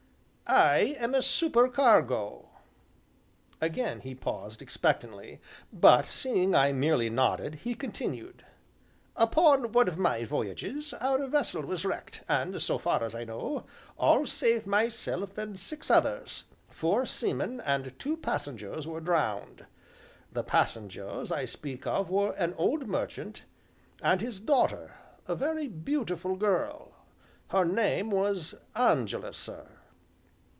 "I am a supercargo." Again he paused expectantly, but seeing I merely nodded, he continued: "Upon one of my voyages, our vessel was wrecked, and, so far as I know, all save myself and six others four seamen and two passengers were drowned. The passengers I speak of were an old merchant and his daughter, a very beautiful girl; her name was Angela, sir."